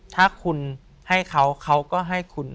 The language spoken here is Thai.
ถ้าคุณให้เขาเขาก็ให้คุณ